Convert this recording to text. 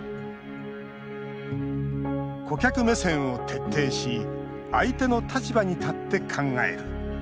顧客目線を徹底し相手の立場に立って考える。